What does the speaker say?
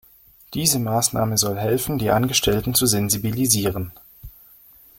Diese Maßnahme soll helfen, die Angestellten zu sensibilisieren.